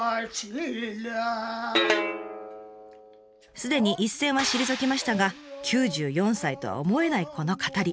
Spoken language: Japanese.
すでに一線は退きましたが９４歳とは思えないこの語り。